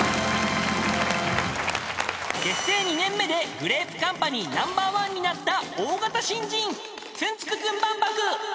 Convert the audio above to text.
［結成２年目でグレープカンパニーナンバーワンになった大型新人］